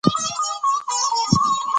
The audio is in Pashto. غرونه د افغانستان د هیوادوالو لپاره ویاړ دی.